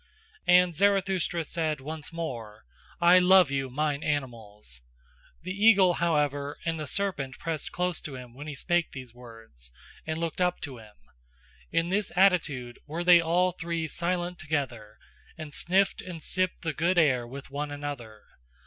And Zarathustra said once more: "I love you, mine animals!" The eagle, however, and the serpent pressed close to him when he spake these words, and looked up to him. In this attitude were they all three silent together, and sniffed and sipped the good air with one another.